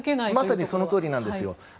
まさにそのとおりなんですよ。